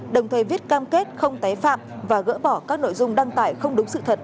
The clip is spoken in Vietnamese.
đồng thời viết cam kết không tái phạm và gỡ bỏ các nội dung đăng tải không đúng sự thật